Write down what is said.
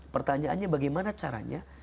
pertanyaannya bagaimana caranya